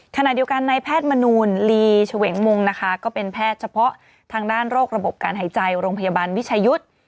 ขณะเดียวกันในแพทย์มนูลลีเฉวงมงนะคะก็เป็นแพทย์เฉพาะทางด้านโรคระบบการหายใจโรงพยาบาลวิชายุทธ์